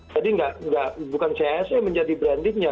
jadi bukan chse menjadi brandingnya